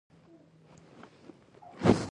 جیورج برنارد شاو وایي بدلون پرمختګ دی.